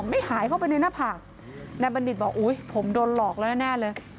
ไม่หายเข้าไปในหน้าผากนายบัณฑิตบอกอุ้ยผมโดนหลอกแล้วแน่เลย